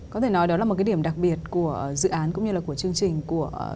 có thể nói đó là một cái điểm đặc biệt của dự án cũng như là của chương trình của